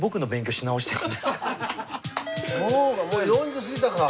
もう４０過ぎたか。